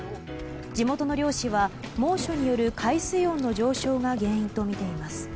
地元の漁師は猛暑による海水温の上昇が原因とみています。